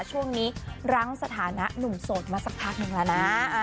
ครั้งนี้รั้งสถานะหนุ่มโสดมาสักพักนึงแล้วนะ